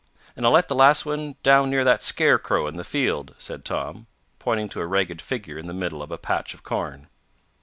"And I'll let the last one down near that scarecrow in the field," said Tom, pointing to a ragged figure in the middle of a patch of corn.